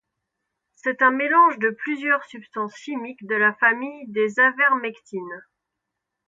C'est un mélange de plusieurs substances chimiques de la famille des avermectines.